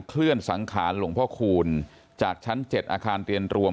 เลื่อนสังขารหลวงพ่อคูณจากชั้น๗อาคารเรียนรวม